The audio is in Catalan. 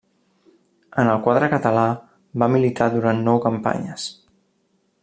En el quadre català va militar durant nou campanyes.